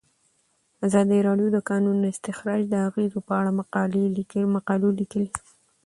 ازادي راډیو د د کانونو استخراج د اغیزو په اړه مقالو لیکلي.